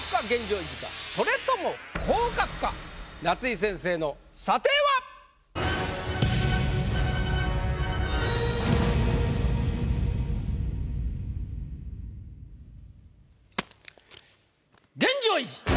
それとも夏井先生の査定は⁉現状維持！